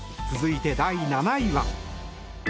続いて、第７位は。